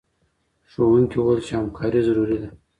ښوونکي وویل چي همکاري ضروري ده.